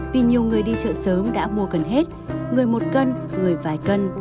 vì nhiều người đi chợ sớm đã mua gần hết người một cân người vài cân